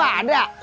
bapak lo ada